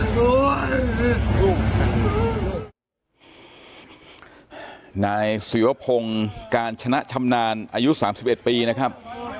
นายศิรพงศ์การชนะชำนาญอายุ๓๑ปีนะครับ